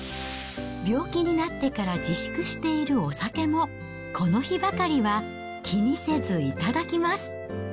病気になってから自粛しているお酒も、この日ばかりは気にせず頂きます。